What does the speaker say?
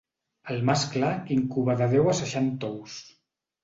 El mascle incuba de deu a seixanta ous.